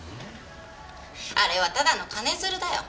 あれはただの金づるだよ。